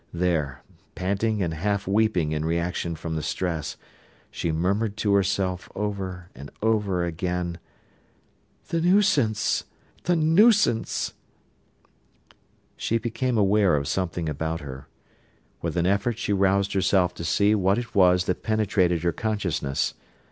There, panting and half weeping in reaction from the stress, she murmured to herself over and over again: "The nuisance! the nuisance!" She became aware of something about her. With an effort she roused herself to see what it was that penetrated her consciousness.